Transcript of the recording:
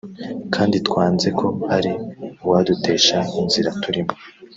kandi twanze ko hari uwadutesha inzira turimo